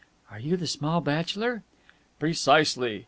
"And you are the small bachelor?" "Precisely.